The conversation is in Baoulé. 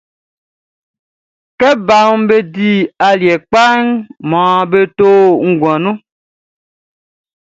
Kɛ baʼm be di aliɛ kpa mɔ be te o nguan nunʼn.